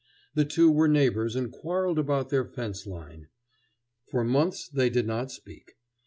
The two were neighbors and quarrelled about their fence line. For months they did not speak.